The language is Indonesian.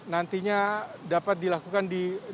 nantinya dapat dilakukan